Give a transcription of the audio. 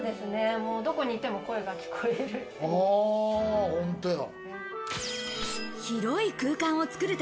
どこにいても声が聞こえる。